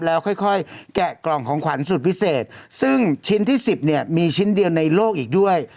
แล้วค่อยแกะกล่องของขวัญสุดพิเศษซึ่งชิ้นที่๑๐เนี่ยมีชิ้นเดียวในโลกอีกด้วย